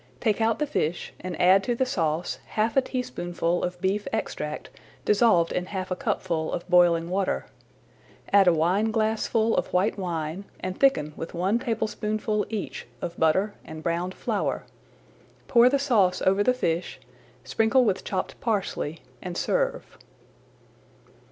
Take out the fish and add to the sauce half a teaspoonful of beef extract, dissolved in half a cupful of boiling water. Add a wineglassful of white wine and thicken with one tablespoonful each of butter and browned flour. Pour the sauce over the fish, sprinkle with chopped parsley, and serve.